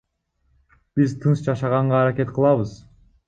Биз тынч жашаганга аракет кылабыз.